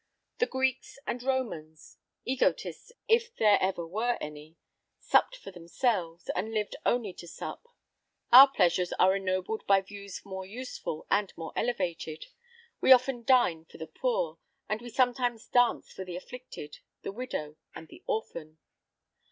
The Greeks and Romans egotists, if there ever were any supped for themselves, and lived only to sup; our pleasures are ennobled by views more useful and more elevated. We often dine for the poor, and we sometimes dance for the afflicted, the widow, and the orphan.